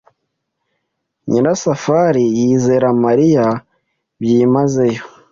Nyirasafari yizera Mariya byimazeyo.